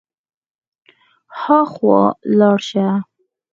هاخوا لاړ شه.